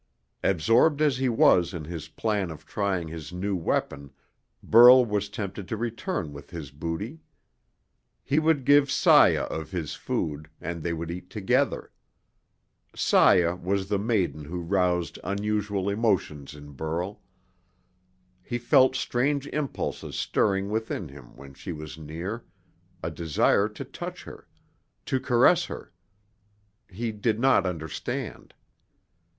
Absorbed as he was in his plan of trying his new weapon, Burl was tempted to return with his booty. He would give Saya of this food, and they would eat together. Saya was the maiden who roused unusual emotions in Burl. He felt strange impulses stirring within him when she was near, a desire to touch her, to caress her. He did not understand.